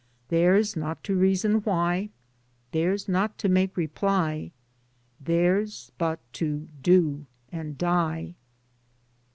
Theiis not to reason why, Theirs not to make reply, Theirs but to do and die.